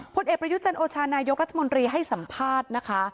ผลเอกประยุจันโอชานายกรัฐมนตรีให้สัมภาษณ์นะคะ